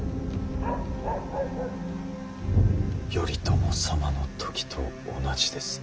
頼朝様の時と同じです。